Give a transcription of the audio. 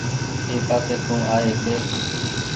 اي پاسي سون آئي هيتي۔